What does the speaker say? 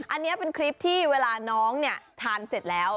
อันนี้เป็นคลิปที่เวลาน้องเนี่ยทานเสร็จแล้ว